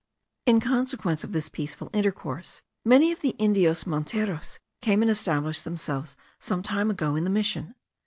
In consequence of this peaceful intercourse, many of the Indios monteros came and established themselves some time ago in the mission.